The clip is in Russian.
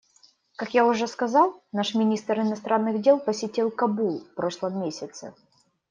Как я уже сказал, наш министр иностранных дел посетил Кабул в прошлом месяце.